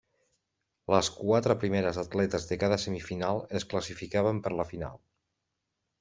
Les quatre primeres atletes de cada semifinal es classificaven per la final.